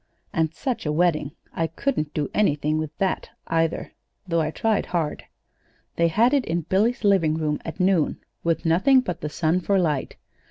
"And such a wedding! I couldn't do anything with that, either, though I tried hard. They had it in Billy's living room at noon, with nothing but the sun for light.